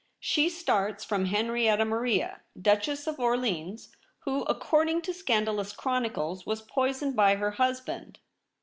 She starts from Henrietta Maria, Duchess of Orleans, who, according to scandalous chronicles, was poisoned by her husband.